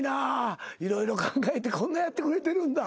色々考えてこんなやってくれてるんだ。